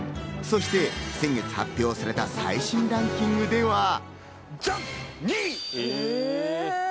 そして、先月発表された最新ランキングでは。